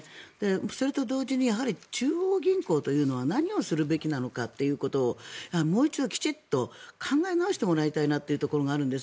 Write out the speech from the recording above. それと同時に中央銀行というのは何をするべきなのかということをもう一度きちんと考え直してもらいたいなというところがあるんです。